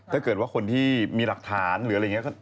ถ้าเกิดว่าคนที่มีหลักฐานหรืออะไรอย่างนี้